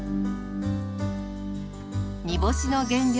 煮干しの原料